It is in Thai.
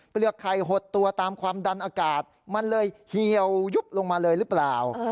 ไข่หดตัวตามความดันอากาศมันเลยเหี่ยวยุบลงมาเลยหรือเปล่า